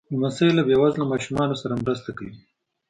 لمسی له بې وزله ماشومانو سره مرسته کوي.